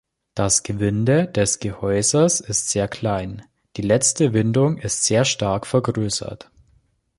Das Gewinde des Gehäuses ist sehr klein, die letzte Windung ist sehr stark vergrößert.